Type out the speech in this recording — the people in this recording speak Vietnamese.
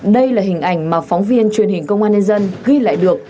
đây là hình ảnh mà phóng viên truyền hình công an nhân dân ghi lại được